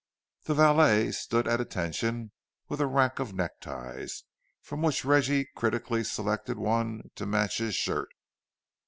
The valet stood at attention with a rack of neckties, from which Reggie critically selected one to match his shirt.